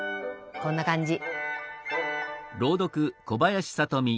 こんな感じ。